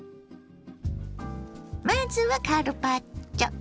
まずはカルパッチョ。